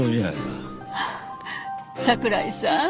桜井さん？